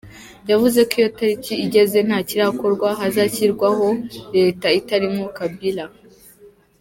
Yavuze ko iyo tariki igeze ntakirakorwa hazashyirwaho Leta itarimwo Kabila.